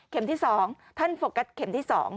ที่๒ท่านโฟกัสเข็มที่๒